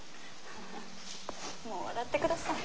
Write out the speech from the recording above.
もう笑ってください。